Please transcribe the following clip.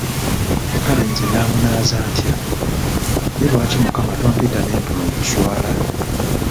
Kale nze naamunaaza ntya, ye lwaki mukama tompita ne mpona okuswala?